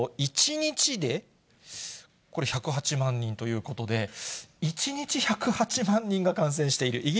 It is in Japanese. １日で、これ１０８万人ということで、１日１０８万人が感染している。